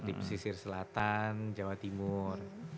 di pesisir selatan jawa timur